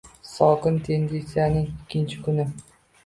Sokin tendentsiyaning ikkinchi kuni: